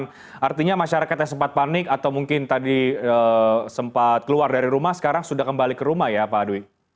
dan artinya masyarakat yang sempat panik atau mungkin tadi sempat keluar dari rumah sekarang sudah kembali ke rumah ya pak dwi